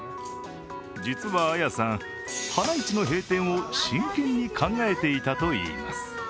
実は綾さん、はないちの閉店を真剣に考えていたといいます。